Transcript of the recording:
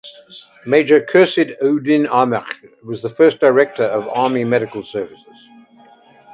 Major Khurshid Uddin Ahmed was the first Director of Army Medical Services.